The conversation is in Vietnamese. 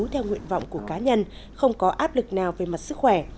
theo nguyện vọng của cá nhân không có áp lực nào về mặt sức khỏe